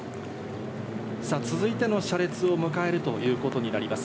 続いての車列を迎えるということになります。